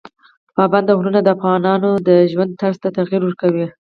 پابندي غرونه د افغانانو د ژوند طرز ته تغیر ورکوي.